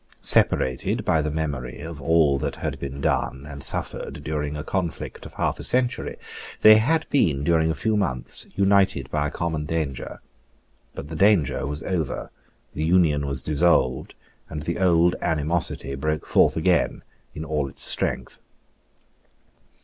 Separated by the memory of all that had been done and suffered during a conflict of half a century, they had been, during a few months, united by a common danger. But the danger was over: the union was dissolved; and the old animosity broke forth again in all its strength.